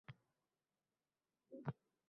Pullik degan soʻz ham bormi